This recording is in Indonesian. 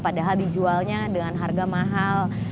padahal dijualnya dengan harga mahal